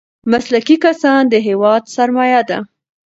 مسلکي کسان د هېواد سرمايه ده.